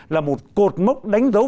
là một cột mốc đánh dấu